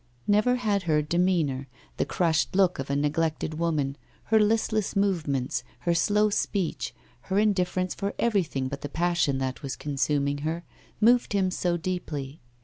Never had her demeanour, the crushed look of a neglected woman, her listless movements, her slow speech, her indifference for everything but the passion that was consuming her, moved him so deeply.